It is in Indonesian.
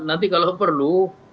nanti kalau perlu